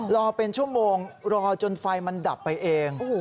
รอเป็นชั่วโมงรอจนไฟมันดับไปเอง